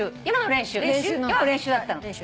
今の練習だったの。